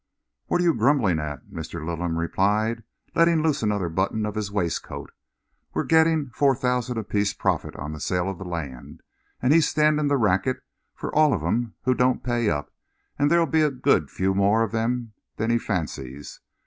"What are you grumbling at?" Mr. Littleham replied, letting loose another button of his waistcoat. "We're getting four thou apiece profit on the sale of the land, and he's standing the racket for all of 'em who don't pay up, and there'll be a good few more of them than he fancies.